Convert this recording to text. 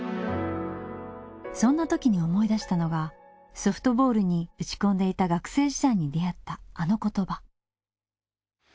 そんなときに思い出したのがソフトボールに打ち込んでいた学生時代に出会ったあの言葉。